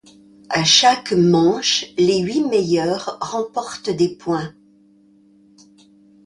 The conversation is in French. À chaque manche les huit meilleurs remportent des points.